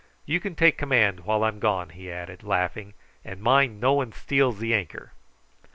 You can take command while I'm gone," he added, laughing; "and mind no one steals the anchor."